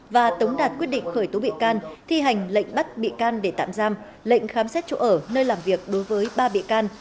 và tống đạt quyết định khởi tố bị can thi hành lệnh bắt bị can để tạm giam lệnh khám xét chỗ ở nơi làm việc đối với ba bị can